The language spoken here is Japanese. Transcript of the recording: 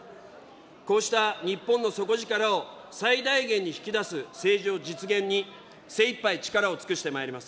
こうした日本の底力を最大限に引き出す政治の実現に精いっぱい力を尽くしてまいります。